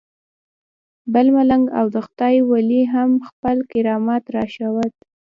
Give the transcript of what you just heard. بل ملنګ او د خدای ولی هم خپل کرامت راوښود.